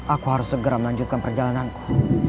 aku harus segera melanjutkan perjalananku